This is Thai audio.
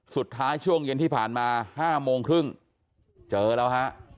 ช่วงเย็นที่ผ่านมา๕โมงครึ่งเจอแล้วฮะ